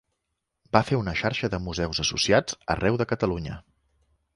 Va fer una xarxa de museus associats arreu de Catalunya.